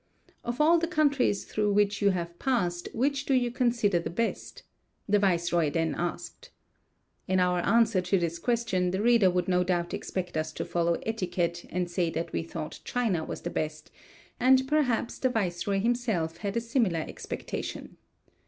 "Of all the countries through which you have passed, which do you consider the best?" the viceroy then asked. In our answer to this question the reader would no doubt expect us to follow etiquette, and say that we thought China was the best; and, perhaps, the viceroy himself had a similar expectation.